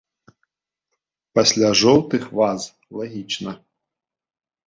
Пасля жоўтых ваз лагічна.